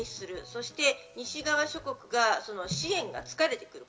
そして西側諸国が支援が疲れてくる。